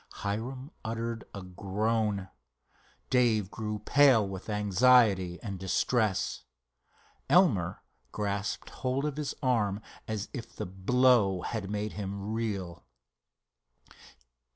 Hiram uttered a groan. Dave grew pale with anxiety and distress. Elmer grasped hold of his arm as if the blow had made him reel.